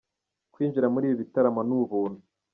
Kwinjira muri ibi bitaramo ni ubuntu.